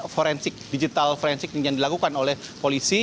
forensik digital forensik yang dilakukan oleh polisi